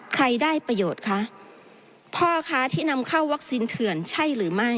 ได้ประโยชน์คะพ่อค้าที่นำเข้าวัคซีนเถื่อนใช่หรือไม่